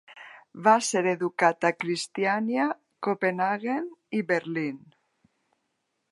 Va ser educat a Cristiania, Copenhaguen i Berlín.